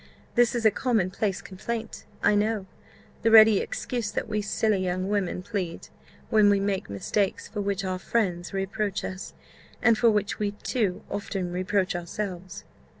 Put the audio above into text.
"This is a common place complaint, I know; the ready excuse that we silly young women plead, when we make mistakes for which our friends reproach us, and for which we too often reproach ourselves."